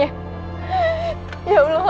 bebaskan hamba dari sini